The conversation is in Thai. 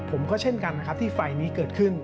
ผมก็เช่นกันนะครับที่ไฟล์นี้เกิดขึ้น